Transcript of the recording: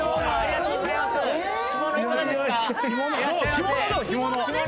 干物だよ干物。